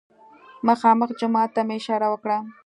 مخامخ جومات ته مې اشاره وکړه.